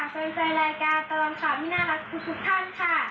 เฟ้นรายการพรภาคมินาลักษณ์คุณทุกท่านค่ะ